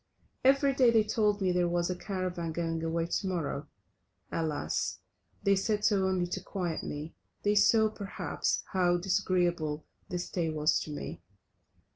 Every day they told me there was a caravan going away to morrow. Alas! they said so only to quiet me, they saw, perhaps, how disagreeable the stay was to me.